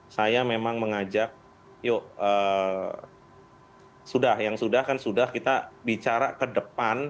saya memang mengajak yuk sudah yang sudah kan sudah kita bicara ke depan